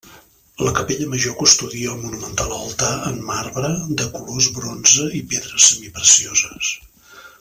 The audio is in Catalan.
La Capella Major custodia el monumental altar en marbre de colors, bronze i pedres semiprecioses.